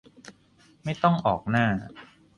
ไม่ต้องออกหน้า